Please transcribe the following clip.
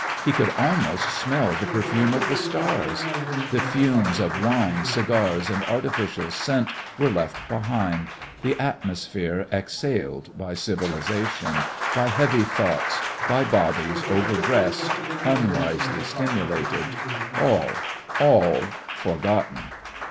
He could almost smell the perfume of the stars. The fumes of wine, cigars and artificial scent were left behind, the atmosphere exhaled by civilisation, by heavy thoughts, by bodies overdressed, unwisely stimulated all, all forgotten.